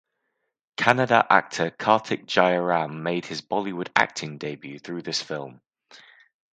Kannada actor Karthik Jayaram made his Bollywood acting debut through this film.